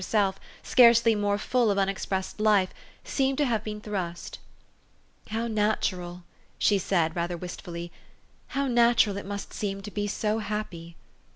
161 herself, scarcely more full of unexpressed life, seemed to have been thrust. "How natural," she said rather wistfully, "how natural it must seem to be so happy!